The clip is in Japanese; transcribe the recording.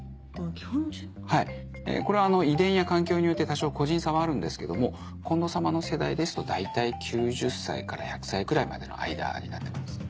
これ遺伝や環境によって多少個人差はあるんですけども近藤様の世代ですと大体９０歳から１００歳くらいまでの間になってます。